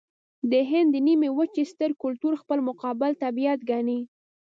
د هند د نيمې وچې ستر کلتور خپل مقابل طبیعت ګڼي.